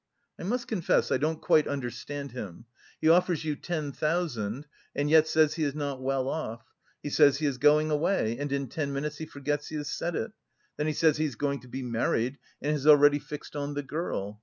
"I must confess I don't quite understand him. He offers you ten thousand, and yet says he is not well off. He says he is going away, and in ten minutes he forgets he has said it. Then he says he is going to be married and has already fixed on the girl....